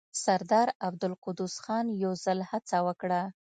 سردار عبدالقدوس خان يو ځل هڅه وکړه.